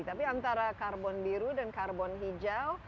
tapi antara karbon biru dan karbon hijau